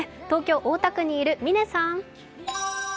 東京・大田区にいる嶺さん。